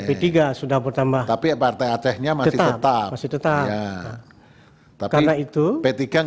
pada tps dua pasik